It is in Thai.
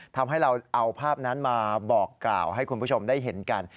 ทำให้เราเอาภาพนั้นมาบอกกล่าวให้คุณผู้ชมได้เห็นกัน